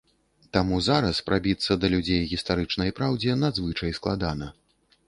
Таму зараз прабіцца да людзей гістарычнай праўдзе надзвычай складана.